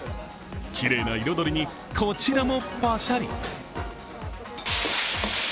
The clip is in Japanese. きれいな彩りにこちらもパシャリ。